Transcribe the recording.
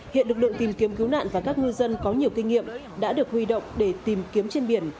hiện lực lượng tìm kiếm cứu nạn và các ngư dân có nhiều kinh nghiệm đã được huy động để tìm kiếm trên biển